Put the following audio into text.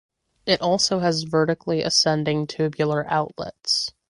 It also has vertically ascending tubular outlets.